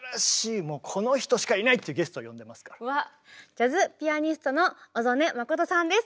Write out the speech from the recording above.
ジャズピアニストの小曽根真さんです。